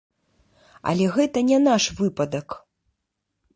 Але гэта не наш выпадак.